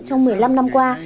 trong một mươi năm năm qua